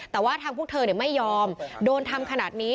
แต่ว่าทางพวกเธอไม่ยอมโดนทำขนาดนี้